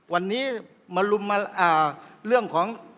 วันนี้มาลุมมาเรื่องของ